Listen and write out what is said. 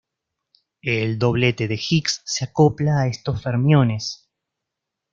El doblete de Higgs se acopla a estos fermiones.